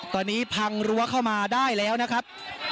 ตอนนี้พังรั้วเข้ามาได้แล้วนะครับ